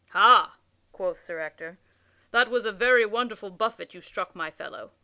"Hah," quoth Sir Ector, "that was a very wonderful buffet you struck my fellow.